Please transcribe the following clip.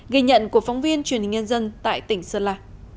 ghi nhận của phóng viên truyền hình nhân dân tại tỉnh sơn la